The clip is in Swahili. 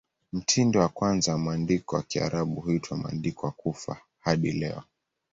Mtindo wa kwanza wa mwandiko wa Kiarabu huitwa "Mwandiko wa Kufa" hadi leo.